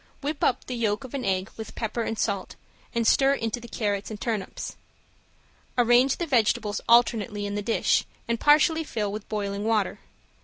Whip up the yolk of an egg with pepper and salt, and stir into the carrots and turnips. Arrange the vegetables alternately in the dish and partially fill with boiling water.